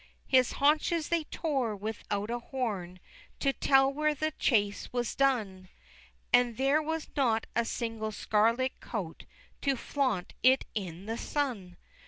XV. His haunches they tore, without a horn To tell when the chase was done; And there was not a single scarlet coat To flaunt it in the sun!